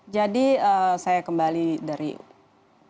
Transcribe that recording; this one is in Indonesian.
jadi saya kembali dari pengertian bahwa kita harus berpikir